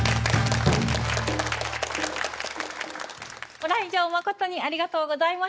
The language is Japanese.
ご来場まことにありがとうございます。